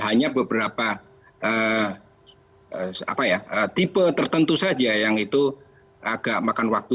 hanya beberapa tipe tertentu saja yang itu agak makan waktu